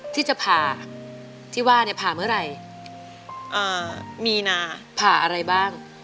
ที่จะผ่าที่ว่าเนี่ยผ่าเมื่อไหร่มีนาผ่าอะไรบ้าง